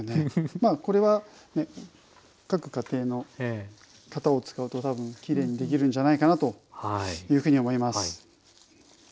まあこれは各家庭の型を使うと多分きれいにできるんじゃないかなというふうに思います。